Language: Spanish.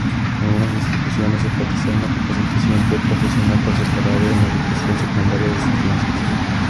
Algunas instituciones enfatizaron la capacitación pre-profesional por separado en la educación secundaria de ciencias.